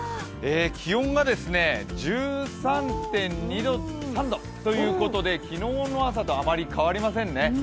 気温が１３．３度ということで、昨日の朝とあまり変わりませんね。